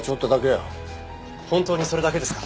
本当にそれだけですか？